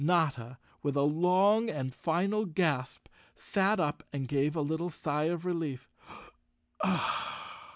Notta, with a long and final gasp, sat up and gave a little sigh of relief.